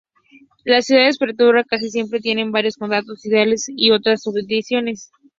Las ciudades-prefectura casi siempre tienen varios condados, ciudades-condados y otras subdivisiones.